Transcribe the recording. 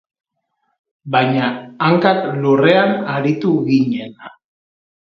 Baina hankak lurrean aritu ginen.